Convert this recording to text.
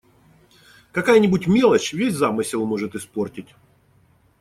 Какая-нибудь мелочь, весь замысел может испортить!